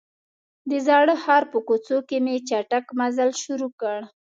د زاړه ښار په کوڅو کې مې چټک مزل شروع کړ.